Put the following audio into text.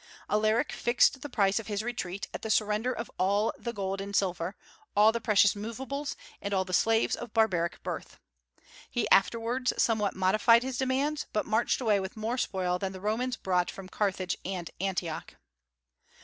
Alaric fixed the price of his retreat at the surrender of all the gold and silver, all the precious movables, and all the slaves of barbaric birth. He afterwards somewhat modified his demands, but marched away with more spoil than the Romans brought from Carthage and Antioch.